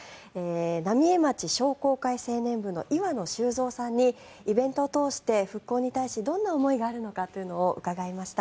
浪江町商工会青年部の岩野秀造さんにイベントを通して復興に対しどんな思いがあるのかというのを伺いました。